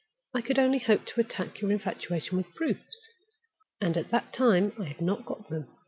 I could only hope to attack your infatuation with proofs, and at that time I had not got them.